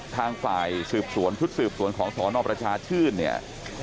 ทางฝ่ายสืบสวนชุดสืบสวนของสนประชาชื่นเนี่ย